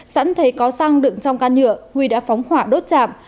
sẵn thấy có xăng đựng trong can nhựa huy đã phóng hỏa đốt chạm